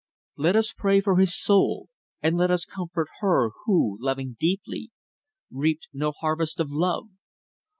Let us pray for his soul, and let us comfort her who, loving deeply, reaped no harvest of love.